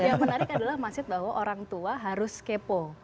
yang menarik adalah masjid bahwa orang tua harus kepo